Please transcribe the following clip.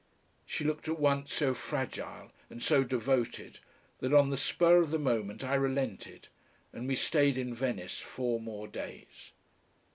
She looked at once so fragile and so devoted that on the spur of the moment I relented, and we stayed in Venice four more days.